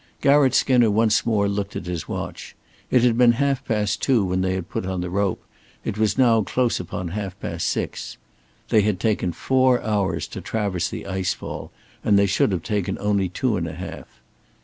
Garratt Skinner once more looked at his watch. It had been half past two when they had put on the rope, it was now close upon half past six. They had taken four hours to traverse the ice fall, and they should have taken only two and a half.